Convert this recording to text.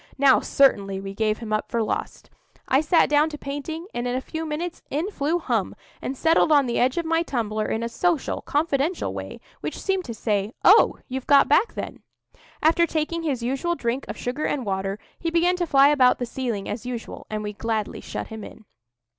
Now certainly we gave him up for lost. I sat down to painting, and in a few minutes in flew Hum, and settled on the edge of my tumbler in a social, confidential way, which seemed to say, "Oh, you've got back then." After taking his usual drink of sugar and water, he began to fly about the ceiling as usual, and we gladly shut him in.